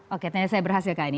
oke tanya saya berhasil kali ini